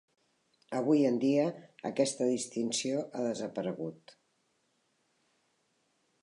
Avui en dia, aquesta distinció ha desaparegut.